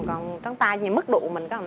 còn tráng tay như mức đủ mình có làm nó sao